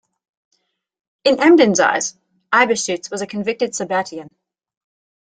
In Emden's eyes, Eybeschutz was a convicted Sabbatean.